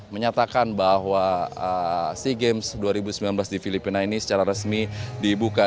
menyatakan bahwa sea games dua ribu sembilan belas di filipina ini secara resmi dibuka